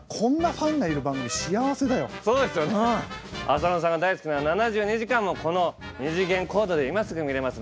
浅野さんが大好きな「７２時間」もこの２次元コードで今すぐ見れますのでぜひ見て下さい。